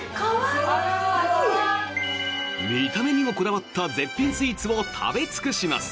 見た目にもこだわった絶品スイーツを食べ尽くします！